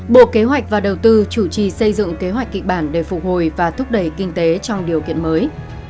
bộ kế hoạch và đầu tư chủ trì xây dựng kế hoạch kịch bản để phục hồi và thúc đẩy kinh tế trong điều kiện mới